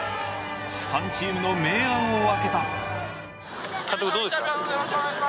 ３チームの明暗を分けた。